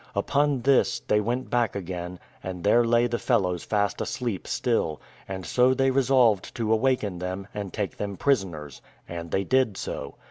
Upon this, they went back again, and there lay the fellows fast asleep still, and so they resolved to awaken them, and take them prisoners; and they did so.